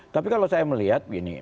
tapi kalau saya melihat begini